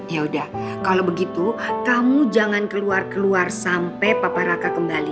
yaudah kalau begitu kamu jangan keluar keluar sampai papa raka kembali